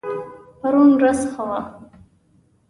پرون ورځ ښه وه